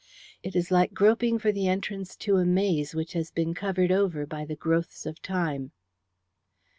It is like groping for the entrance to a maze which has been covered over by the growths of time."